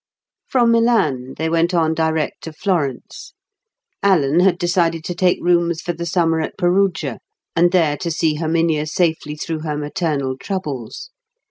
From Milan they went on direct to Florence. Alan had decided to take rooms for the summer at Perugia, and there to see Herminia safely through her maternal troubles.